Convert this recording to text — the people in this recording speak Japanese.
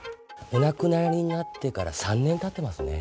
お亡くなりになってから３年たってますね。